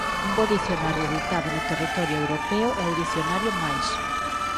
Un bo dicionario editado no territorio europeo é o "Dicionario Mais.